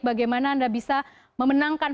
bagaimana anda bisa memenangkan